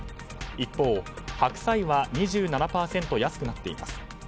一方、白菜は２７％安くなっています。